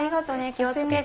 気を付けて。